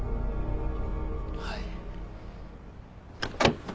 はい。